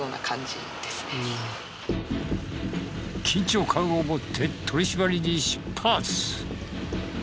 緊張感を持って取り締まりに出発。